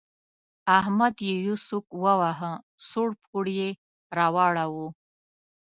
احمد يې يو سوک وواهه؛ سوړ پوړ يې راواړاوو.